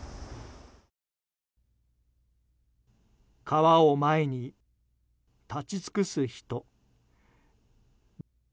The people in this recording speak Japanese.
川を前に立ち尽くす人。